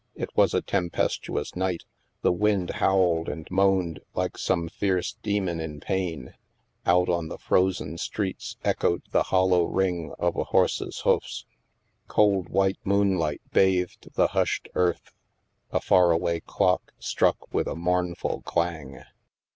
It was a tempestuous night ; the wind howled and moaned like some fierce demon in pain ; out on the frozen streets echoed the hollow ring of a horse's hoofs; cold white moonlight bathed the hushed earth; a far away clock struck with a mournful clang.